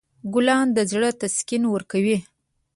ګلان د زړه تسکین ورکوي.